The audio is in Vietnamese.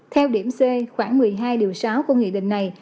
theo điểm c khoảng một mươi hai điều sáu của nghị định này